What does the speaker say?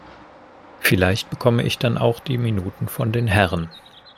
Vielleicht bekomme ich dann auch die Minuten von den Herren!